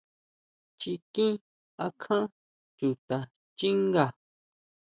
Chiquín akján chuta xchínga.